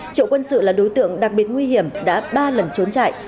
triệu quân sự là đối tượng đặc biệt nguy hiểm đã ba lần trốn chạy